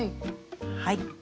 はい。